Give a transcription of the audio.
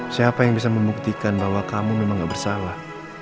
siapa yang bisa membuktikan bahwa kamu memang gak bersalah